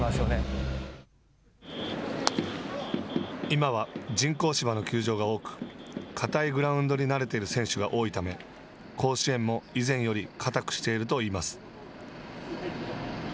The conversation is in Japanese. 今は人工芝の球場が多く硬いグラウンドになれている選手が多いため甲子園も以前より硬くしているといいます。